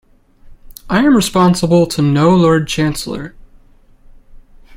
I am responsible to no Lord Chancellor.